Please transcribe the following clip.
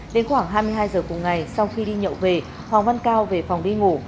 đến khoảng hai mươi hai giờ cùng ngày sau khi đi nhậu về hoàng văn cao về phòng đi ngủ